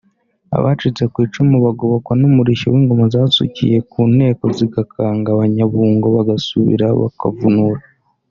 Abacitse ku icumu bagobokwa n’umurishyo w’ingoma zasukiye ku Nteko zigakanga Abanyabungo bagasubira bakavunura